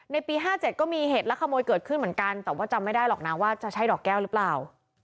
ในปี๕๗ก็มีเหตุลักขโมยเกิดขึ้นเหมือนกันแต่ว่าจำไม่ได้หรอกนะว่าจะใช่ดอกแก้วหรือเปล่า